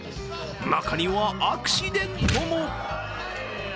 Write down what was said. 中には、アクシデントも。